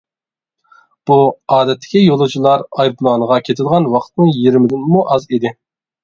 بۇ ئادەتتىكى يولۇچىلار ئايروپىلانىغا كېتىدىغان ۋاقىتنىڭ يېرىمىدىنمۇ ئاز ئىدى.